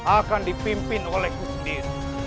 akan dipimpin oleh kusdien